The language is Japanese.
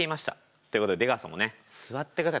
っていうことで出川さんもね座ってください。